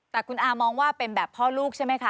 แต่คุณอามองว่าเป็นแบบพ่อลูกใช่ไหมคะ